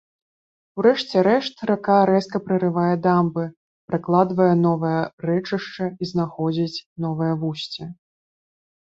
У рэшце рэшт рака рэзка прарывае дамбы, пракладвае новае рэчышча і знаходзіць новае вусце.